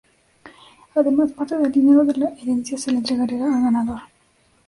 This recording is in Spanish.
Además, parte del dinero de la herencia se le entregaría al ganador.